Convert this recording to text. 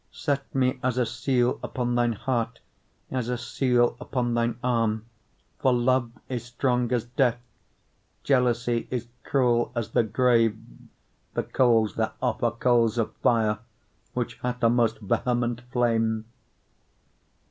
8:6 Set me as a seal upon thine heart, as a seal upon thine arm: for love is strong as death; jealousy is cruel as the grave: the coals thereof are coals of fire, which hath a most vehement flame.